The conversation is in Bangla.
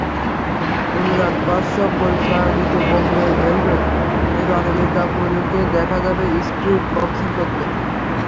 অনুরাগ কশ্যপ পরিচালিত বোম্বে ভেলভেট-এ রণবীর কাপুরকে দেখা যাবে স্ট্রিট বক্সিং করতে।